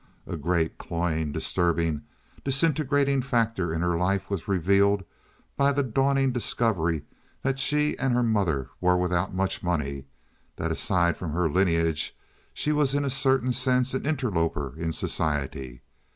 A great, cloying, disturbing, disintegrating factor in her life was revealed by the dawning discovery that she and her mother were without much money, that aside from her lineage she was in a certain sense an interloper in society.